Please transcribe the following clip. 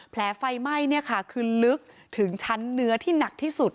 แผลไฟไหม้คือลึกถึงชั้นเนื้อที่หนักที่สุด